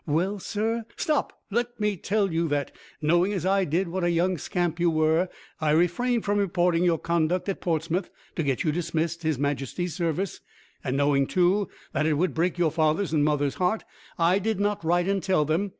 "Well, sir! " "Stop. Let me tell you that, knowing as I did what a young scamp you were, I refrained from reporting your conduct at Portsmouth, to get you dismissed His Majesty's service; and knowing, too, that it would break your father's and mother's heart, I did not write and tell them.